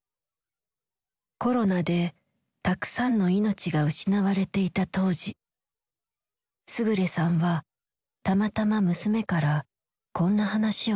コロナでたくさんの命が失われていた当時勝さんはたまたま娘からこんな話を聞いていた。